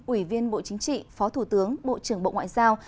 ủy viên bộ chính trị phó thủ tướng bộ trưởng bộ ngoại giao